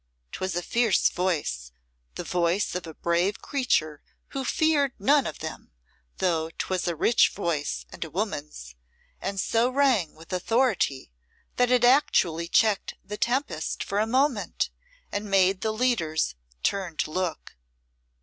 'Twas a fierce voice, the voice of a brave creature who feared none of them; though 'twas a rich voice and a woman's, and so rang with authority that it actually checked the tempest for a moment and made the leaders turn to look.